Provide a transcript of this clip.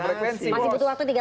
masih butuh waktu tiga tahun